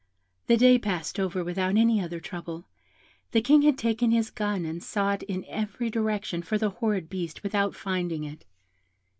"The day passed over without any other trouble; the King had taken his gun and sought in every direction for the horrid beast without finding it.